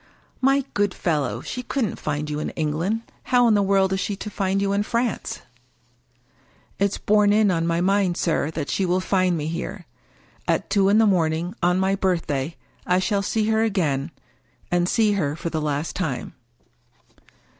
" My good fellow ! she couldn't find you in England. How in the world is she to find you in France ?"" It's borne in on my mind, sir, that she will find me here. At two in the morning on my birthday I shall see her again, and see her for the last time."